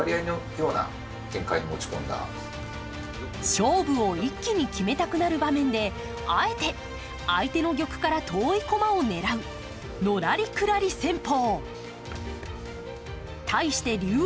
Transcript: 勝負を一気に決めたくなる場面で、あえて、相手の玉から遠い駒を狙うのらりくらり戦法。